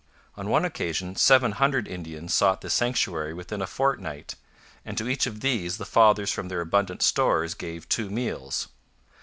On one occasion seven hundred Indians sought this sanctuary within a fortnight, and to each of these the fathers from their abundant stores gave two meals.